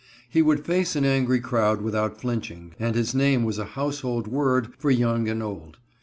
He would face an angry crowd without flinching, and his name was a household word for young and old.